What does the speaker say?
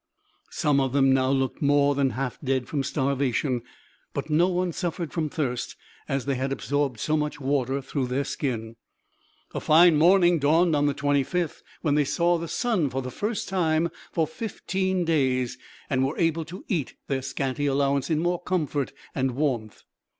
Some of them now looked more than half dead from starvation, but no one suffered from thirst, as they had absorbed so much water through the skin. A fine morning dawned on the 25th, when they saw the sun for the first time for fifteen days, and were able to eat their scanty allowance in more comfort and warmth.